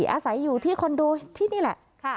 อาศัยอยู่ที่คอนโดที่นี่แหละ